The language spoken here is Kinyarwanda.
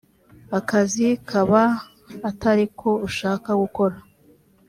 akazi kaba atari ko ushaka gukora